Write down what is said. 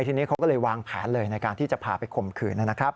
ทีนี้เขาก็เลยวางแผนเลยในการที่จะพาไปข่มขืนนะครับ